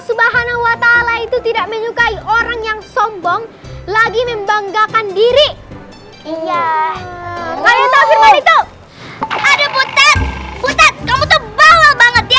subhanahu wa ta'ala itu tidak menyukai orang yang sombong lagi membanggakan diri iya kalau